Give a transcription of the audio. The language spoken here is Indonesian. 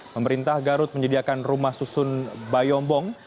pemerintah garut menyediakan rumah susun bayombong